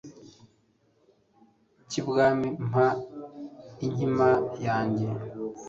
k'ibwami mpa inkima yanjye